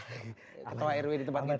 ketua rw di tempat kita